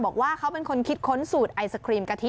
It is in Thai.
บอกว่าเขาเป็นคนคิดค้นสูตรไอศครีมกะทิ